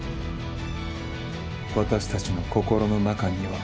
私たちの心の中には。